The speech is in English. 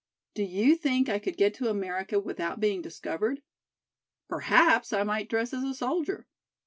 Do you think I could get to America without being discovered? Perhaps I might dress as a soldier.